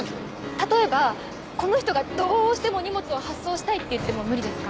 例えばこの人がどうしても荷物を発送したいって言っても無理ですか？